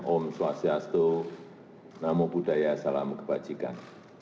om swastiastu namo buddhaya salam kebajikan